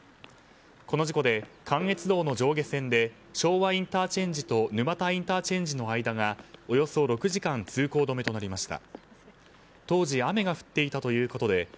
この事故で関越道の上下線で昭和ＩＣと沼田ＩＣの間がおよそ６時間通行止めとなりました。